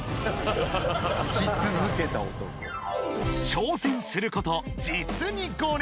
［挑戦すること実に５年］